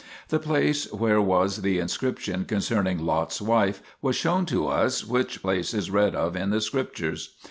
The place where was the inscription concerning Lot's wife was shown to us, which place is read of in the Scriptures.